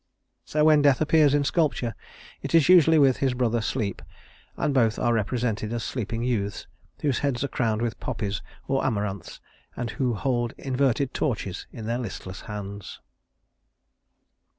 So when Death appears in sculpture, it is usually with his brother Sleep, and both are represented as sleeping youths, whose heads are crowned with poppies or amaranths, and who hold inverted torches in their listless hands.